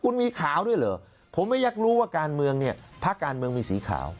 คุณมีขาวด้วยเหรอผมไม่อยากรู้ว่าการเมืองเนี่ยภาคการเมืองมีสีขาว